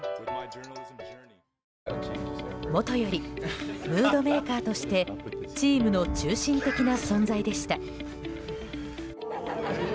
もとよりムードメーカーとしてチームの中心的な存在でした。